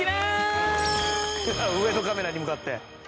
上のカメラに向かって。